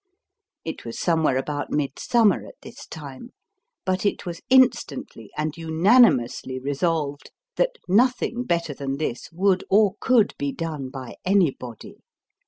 It was somewhere about midsummer at this time, but it was instantly and unanimously resolved that nothing better than this would or could be done by anybody.